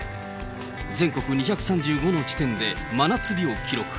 全国２３５の地点で真夏日を記録。